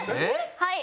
はい。